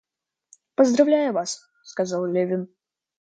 Поздравляю вас, — сказал Левин.